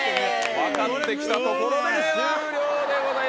分かってきたところで終了でございます。